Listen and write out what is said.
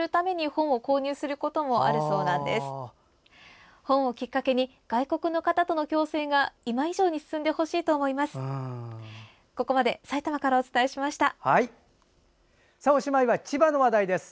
本をきっかけに外国の方との共生が今以上に進んでほしいと思います。